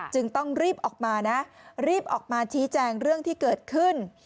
จึงต้องรีบออกมานะรีบออกมาชี้แจงเรื่องที่เกิดขึ้น